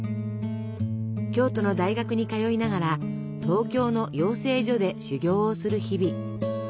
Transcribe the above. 京都の大学に通いながら東京の養成所で修業をする日々。